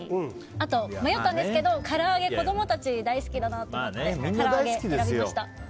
あと迷ったんですけどから揚げ子供たちが大好きだなと思って選びました。